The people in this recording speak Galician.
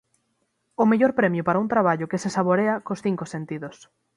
O mellor premio para un traballo que se saborea cos cinco sentidos.